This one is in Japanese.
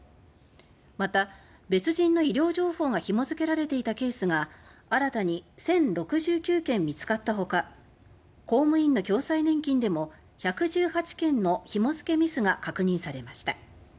また、別人の医療情報が紐付けられていたケースが新たに１０６９件見つかったほか公務員の共済年金でも１１８件の紐付けミスが確認されました。